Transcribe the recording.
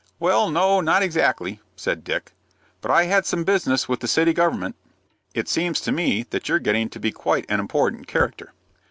"Well, no, not exactly," said Dick, "but I had some business with the city government." "It seems to me that you're getting to be quite an important character."